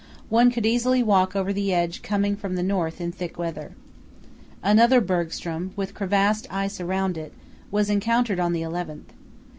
One could easily walk over the edge coming from the north in thick weather." Another bergstrom, with crevassed ice around it, was encountered on the 11th.